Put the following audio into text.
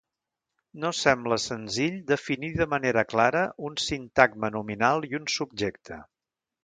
No sembla senzill definir de manera clara un sintagma nominal i un subjecte.